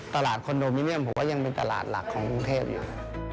คอนโดมิเนียมผมว่ายังเป็นตลาดหลักของกรุงเทพอยู่